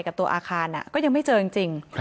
กับตัวอาคารก็ยังไม่เจอจริง